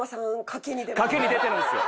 賭けに出てるんですよ。